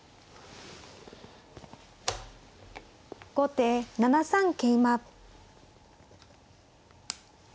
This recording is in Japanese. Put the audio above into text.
後手７三桂馬。